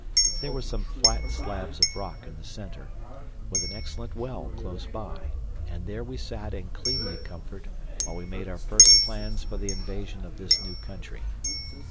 There were some flat slabs of rock in the center, with an excellent well close by, and there we sat in cleanly comfort while we made our first plans for the invasion of this new country.